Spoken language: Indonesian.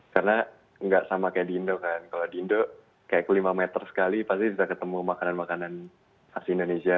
karena nggak sama kayak di indo kan kalau di indo kayak lima meter sekali pasti kita ketemu makanan makanan asli indonesia